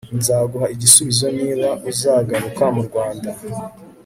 nzaguha igisubizo niba uzagaruka mu Rwanda